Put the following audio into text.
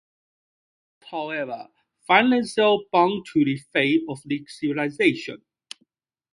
These groups, however, find themselves bound to the fate of the civilization.